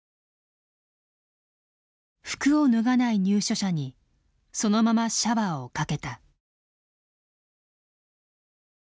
服を脱がない入所者にそのままシャワーをかけた。